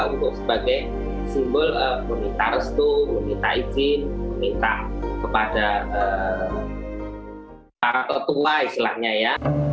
untuk sebagai simbol meminta restu meminta izin minta kepada para tonga istilahnya ya